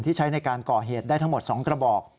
ใช้ในการก่อเหตุได้ทั้งหมด๒กระบอก